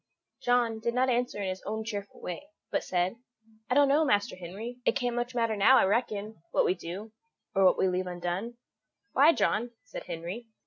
John did not answer in his own cheerful way, but said: "I don't know, Master Henry; it can't much matter now, I reckon, what we do, or what we leave undone." "Why, John?" said Henry.